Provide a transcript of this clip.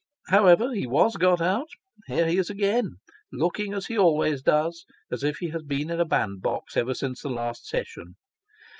However, he was got out here he is again, looking as he always does, as if he had been in a bandbox ever since the last session.